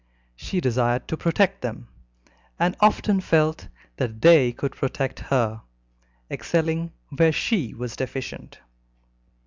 She desired to protect them, and often felt that they could protect her, excelling where she was deficient.